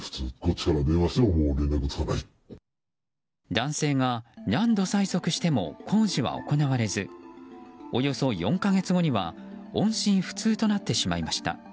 男性が何度催促しても工事は行われずおよそ４か月後には音信不通となってしまいました。